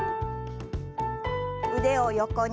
腕を横に。